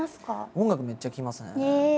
音楽めっちゃ聴きますね。